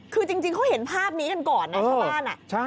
คือจริงเขาเห็นภาพนี้กันก่อนนะชาวบ้าน